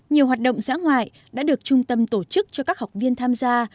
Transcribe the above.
nhiều hoạt động giã ngoại đã được trung tâm tổ chức cho các học viên tham gia